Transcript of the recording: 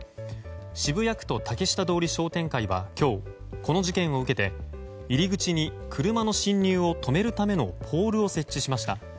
渋谷区と竹下通り商店会は今日この事件を受けて入り口に車の進入を止めるためのポールを設置しました。